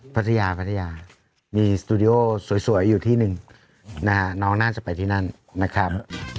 พัทยาพัทยามีสตูดิโอสวยอยู่ที่หนึ่งนะฮะน้องน่าจะไปที่นั่นนะครับ